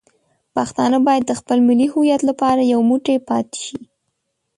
پښتانه باید د خپل ملي هویت لپاره یو موټی پاتې شي.